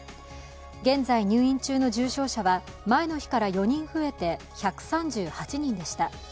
現在入院中の重症者は前の日から４人増えて１３８人でした。